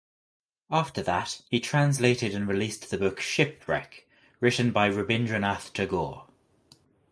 After that he translated and released the book Ship Wreck written by Rabindranath Tagore.